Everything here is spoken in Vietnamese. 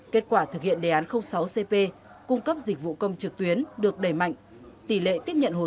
kết quả thực hiện đề án sáu cp cung cấp dịch vụ công trực tuyến được đẩy mạnh tỷ lệ tiếp nhận hồ